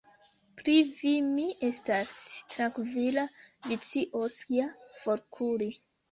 Pri vi, mi estas trankvila: vi scios ja forkuri.